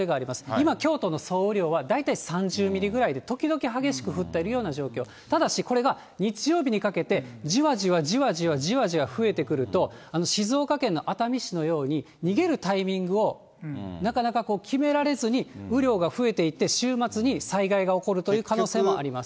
今、京都の総雨量は大体３０ミリぐらいで、時々激しく降っているような状況、ただしこれが日曜日にかけて、じわじわじわじわじわじわ増えてくると、静岡県の熱海市のように逃げるタイミングを、なかなか決められずに、雨量が増えていって週末に災害が起こるという可能性もあります。